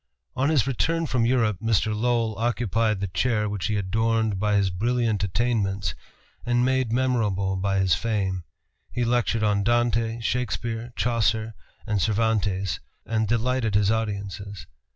On his return from Europe, Mr. Lowell occupied the chair which he adorned by his brilliant attainments and made memorable by his fame. He lectured on Dante, Shakespeare, Chaucer, and Cervantes, and delighted his audiences.